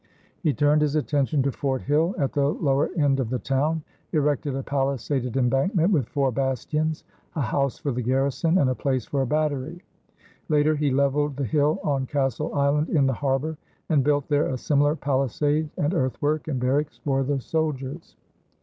He turned his attention to Fort Hill at the lower end of the town, erected a palisaded embankment with four bastions, a house for the garrison, and a place for a battery; later he leveled the hill on Castle Island in the harbor, and built there a similar palisade and earthwork and barracks for the soldiers.